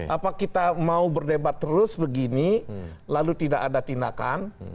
apa kita mau berdebat terus begini lalu tidak ada tindakan